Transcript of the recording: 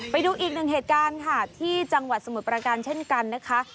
ไปดูอีกหนึ่งเหตุการณ์ค่ะที่จังหวัดสมุทรประการเช่นกันนะคะ